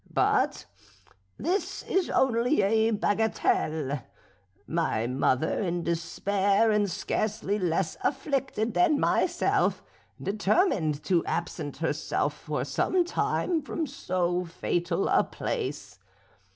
But this is only a bagatelle. My mother, in despair, and scarcely less afflicted than myself, determined to absent herself for some time from so fatal a place.